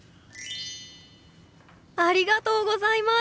ありがとうございます。